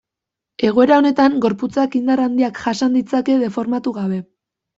Egoera honetan gorputzak indar handiak jasan ditzake deformatu gabe.